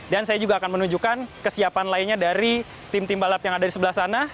dan saya juga akan menunjukkan kesiapan lainnya dari tim tim balap yang ada di sebelah sana